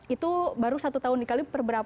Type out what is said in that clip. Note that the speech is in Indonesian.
itu baru satu tahun dikali beberapa tahun